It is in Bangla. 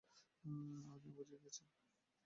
আপনি বুঝে গিয়েছেন।